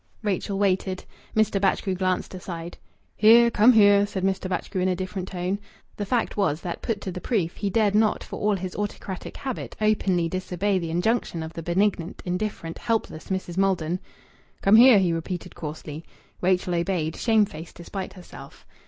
Rachel waited. Mr. Batchgrew glanced aside. "Here! Come here!" said Mr. Batchgrew in a different tone. The fact was that, put to the proof, he dared not, for all his autocratic habit, openly disobey the injunction of the benignant, indifferent, helpless Mrs. Maldon. "Come here!" he repeated coarsely. Rachel obeyed, shamefaced despite herself.